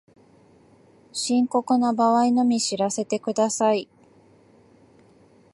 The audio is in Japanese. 深刻な場合のみ知らせてください